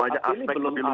banyak aspek lebih luas